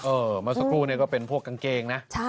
เออมาสักครู่นี่ก็เป็นพวกกางเกงนะใช่